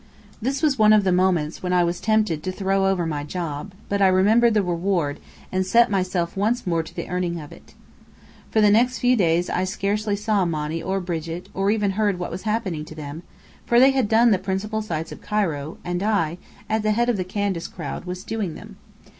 This was one of the moments when I was tempted to throw over my job; but I remembered the reward, and set myself once more to the earning of it. For the next few days I scarcely saw Monny or Brigit, or even heard what was happening to them for they had "done" the principal sights of Cairo, and I (at the head of the Candace crowd) was "doing" them.